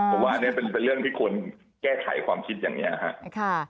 ผมว่าอันนี้เป็นเรื่องที่ควรแก้ไขความคิดอย่างนี้ครับ